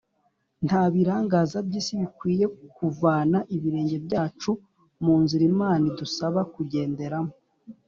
Nta birangaza by’isi bikwiriye kuvana ibirenge byacu mu nzira Imana idusaba kugenderamo.